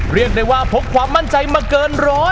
เรียกได้ว่าพกความมั่นใจมาเกินร้อย